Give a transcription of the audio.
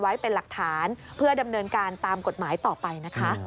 ไว้เป็นหลักฐานเพื่อดำเนินการตามกฎหมายต่อไปนะคะ